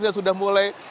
yang sudah mulai